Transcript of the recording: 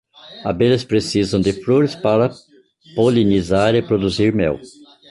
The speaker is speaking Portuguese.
Abelhas precisam de flores para polinizar e produzir mel